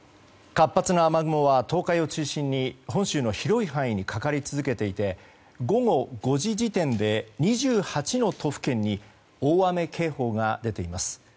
活発な雨雲は東海を中心に本州の広い範囲にかかり続けていて午後５時時点で２８の都府県に大雨警報が出ています。